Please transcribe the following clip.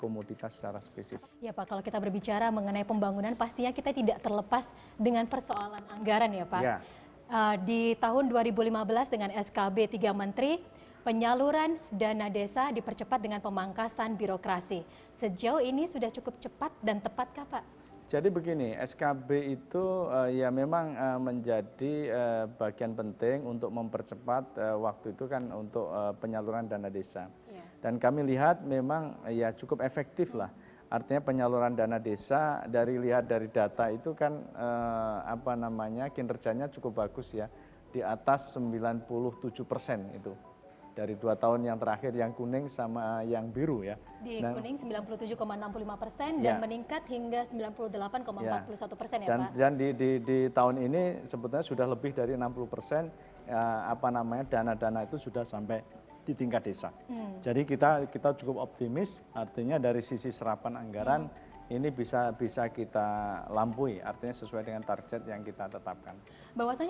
mereka juga bersama sama istilahnya melakukan istilahnya pengawalan